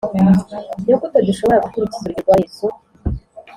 Ni gute dushobora gukurikiza urugero rwa Yesu